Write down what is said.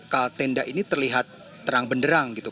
kalau tenda ini terlihat terang benderang gitu